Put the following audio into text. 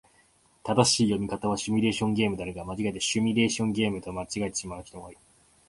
正しい読み方はシミュレーションゲームであるが、シュミレーションと間違えてしまう人も多い。